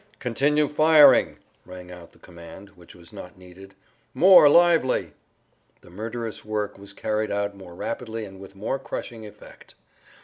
"Continue firing!" rang out the command which was not needed. "More lively!" The murderous work was carried out more rapidly and with more crushing effect.